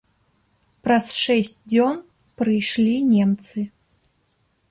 Праз шэсць дзён прыйшлі немцы.